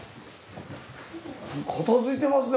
片付いてますね